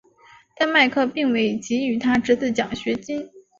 但麦克并未给予他侄子奖学金。